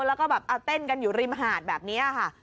แล้วก็แบบเอาเต้นกันอยู่ริมหาดแบบนี้ค่ะ